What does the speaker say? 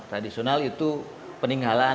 tradisional itu peninggalan